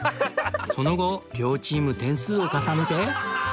その後両チーム点数を重ねて